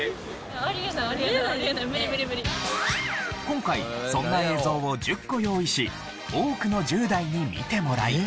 今回そんな映像を１０個用意し多くの１０代に見てもらい。